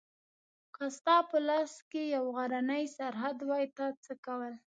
که ستا په لاس کې یو غرنی سرحد وای تا څه کول؟